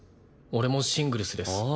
俺もシングルスです。